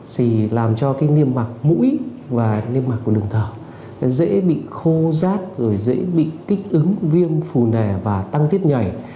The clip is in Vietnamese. thì làm cho niêm mạc mũi và niêm mạc của đường thở dễ bị khô rát dễ bị kích ứng viêm phù nề và tăng tiết nhảy